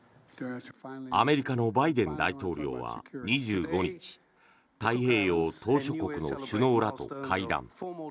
アメリカのバイデン大統領は２５日太平洋島しょ国の首脳らと会談。